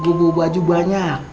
gue bawa baju banyak